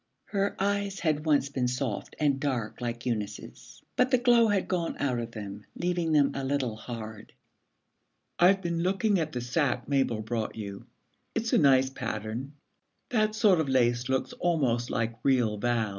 Her eyes had once been soft and dark like Eunice's, but the glow had gone out of them, leaving them a little hard. 'I've been looking at the sack Mabel brought you. It's a nice pattern. That sort of lace looks almost like real val.